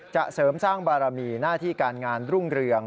เสริมสร้างบารมีหน้าที่การงานรุ่งเรือง